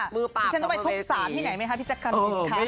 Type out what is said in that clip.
มือป้าแถมสมพบเทรดี